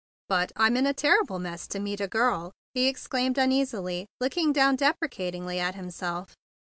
"But I'm a terrible mess to meet a girl!" he exclaimed uneasily, looking down deprecatingly at himself.